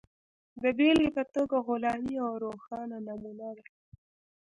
د بېلګې په توګه غلامي یوه روښانه نمونه ده.